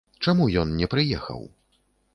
Чаму ён не прыехаў?